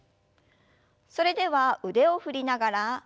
それでは腕を振りながら背中を丸く。